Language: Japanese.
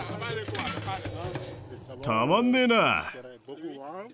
たまんねぇな。